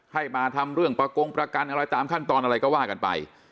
ให้มาทำเรื่องประกงประกันอะไรตามขั้นตอนอะไรก็ว่ากันไป